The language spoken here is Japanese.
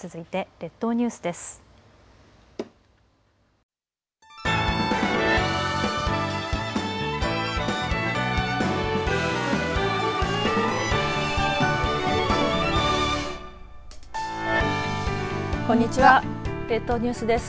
列島ニュースです。